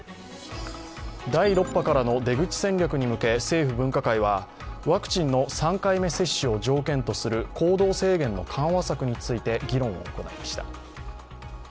第６波からの出口戦略に向け、政府分科会はワクチンの３回目接種を条件とする行動制限の緩和策について議論を行いました。